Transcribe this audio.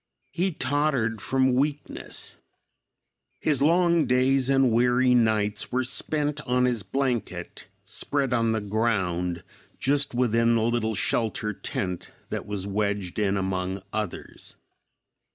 He tottered from weakness. His long days and weary nights were spent on his blanket, spread on the ground, just within the little shelter tent that was wedged in among others.